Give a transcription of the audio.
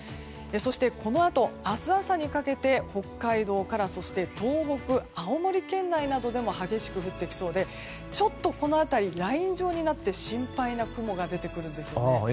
そして、このあと明日朝にかけて北海道から東北、青森県内などでも激しく降ってきそうでちょっとこの辺りライン状になって心配な雲が出てくるんです。